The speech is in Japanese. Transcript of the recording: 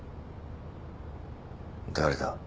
誰だ。